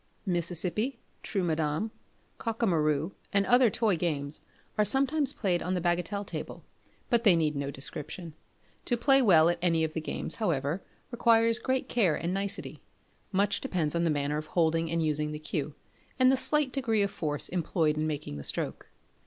Mississippi, Trou Madame, Cockamaroo, and other toy games are sometimes played on the bagatelle table; but they need no description. To play well at any of the games, however, requires great care and nicety. Much depends on the manner of holding and using the cue, and the slight degree of force employed in making the stroke.